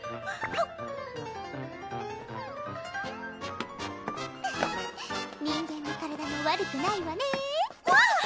フフッ人間の体も悪くないわねわっ！